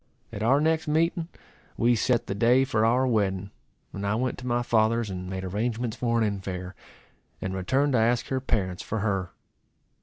At our next meeting we set the day for our wedding; and I went to my father's, and made arrangements for an infair, and returned to ask her parents for her.